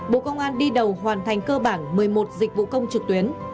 bộ công an đi đầu hoàn thành cơ bản một mươi một dịch vụ công trực tuyến